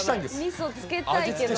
みそ付けたいけどなあ。